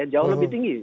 jauh lebih tinggi